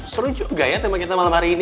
seru juga ya tema kita malam hari ini